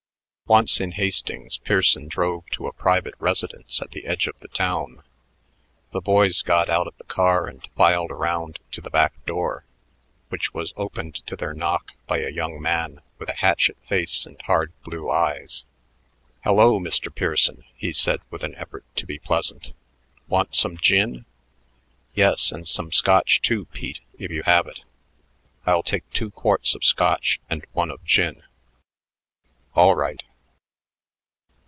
Once in Hastings, Pearson drove to a private residence at the edge of the town. The boys got out of the car and filed around to the back door, which was opened to their knock by a young man with a hatchet face and hard blue eyes. "Hello, Mr. Pearson," he said with an effort to be pleasant. "Want some gin?" "Yes, and some Scotch, too, Pete if you have it. I'll take two quarts of Scotch and one of gin." "All right."